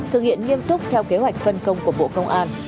thực hiện nghiêm túc theo kế hoạch phân công của bộ công an